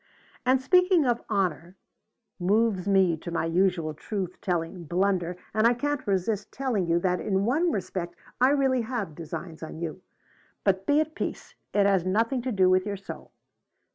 "And speaking of honor, moves me to my usual truth telling blunder, and I can't resist telling you that in one respect I really have designs on you. But be at peace it has nothing to do with your soul.